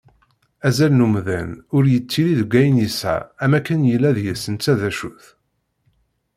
Azal n umdan ur yettili deg ayen yesεa am akken yella deg-s netta d acu-t.